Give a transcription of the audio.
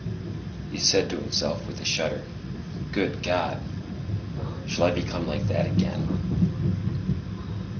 He said to himself with a shudder, "Good God! shall I become like that again?"